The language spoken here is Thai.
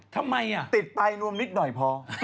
ติดไปน้วมนิดหน่อยพอ